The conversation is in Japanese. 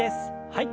はい。